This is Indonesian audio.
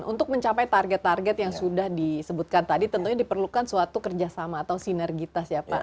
untuk mencapai target target yang sudah disebutkan tadi tentunya diperlukan suatu kerjasama atau sinergitas ya pak